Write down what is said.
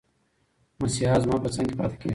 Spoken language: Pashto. مسیحا زما په څنګ کې پاتې کېږي.